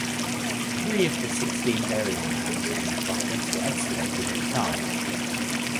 Three of the sixteen burial mounds of the necropolis were excavated at the time.